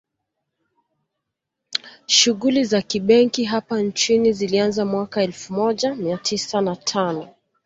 Shughuli za kibenki hapa nchini zilianza mwaka elfu moja mia tisa na tano